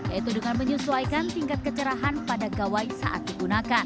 yaitu dengan menyesuaikan tingkat kecerahan pada gawai saat digunakan